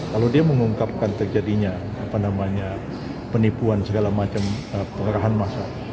kalau dia mengungkapkan terjadinya penipuan segala macam pengerahan massa